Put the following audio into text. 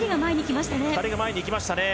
２人が前に行きましたね。